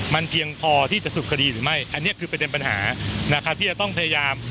มันเพียงพอที่จะสรุปคดีหรือไม่อันนี้คือประเด็นปัญหานะครับที่จะต้องพยายาม